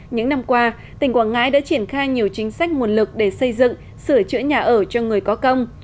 những năm qua tỉnh quảng ngãi đã triển khai nhiều chính sách nguồn lực để xây dựng sửa chữa nhà ở cho người có công